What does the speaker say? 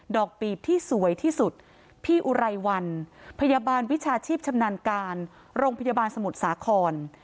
อกปีบที่สวยที่สุดพี่อุไรวันพยาบาลวิชาชีพชำนาญการโรงพยาบาลสมุทรสาคร